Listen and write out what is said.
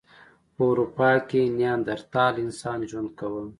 په اروپا کې نیاندرتال انسان ژوند کاوه.